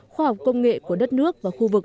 khoa học công nghệ của đất nước và khu vực